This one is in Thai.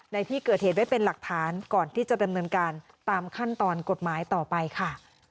ในที่เกิดเหตุไว้เป็นหลักฐานก่อนที่จะดำเนินการตามขั้นตอนกฎหมายต่อไปค่ะ